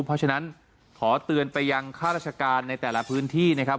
เพราะฉะนั้นขอเตือนไปยังข้าราชการในแต่ละพื้นที่นะครับ